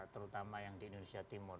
terutama yang di indonesia timur